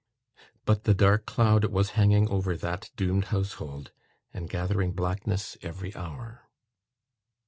But the dark cloud was hanging over that doomed household, and gathering blackness every hour.